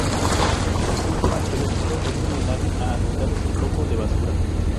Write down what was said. El sitio arqueológico es vulnerable a atentados y foco de basura.